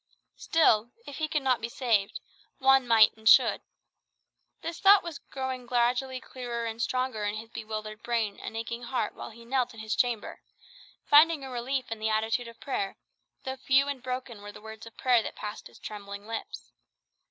Still, if he could not be saved, Juan might and should. This thought was growing gradually clearer and stronger in his bewildered brain and aching heart while he knelt in his chamber, finding a relief in the attitude of prayer, though few and broken were the words of prayer that passed his trembling lips.